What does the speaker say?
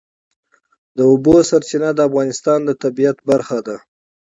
د اوبو سرچینې د افغانستان د طبیعت برخه ده.